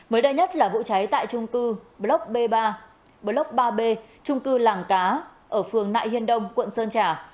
mới đây nhất là vụ cháy tại trung cư block ba b trung cư làng cá ở phường nại hiên đông quận sơn trà